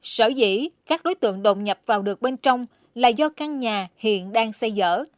sở dĩ các đối tượng đột nhập vào được bên trong là do căn nhà hiện đang xây dở